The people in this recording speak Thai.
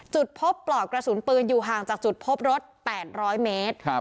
จุดพบปลอกกระสุนปืนอยู่ห่างจากจุดพบรถ๘๐๐เมตร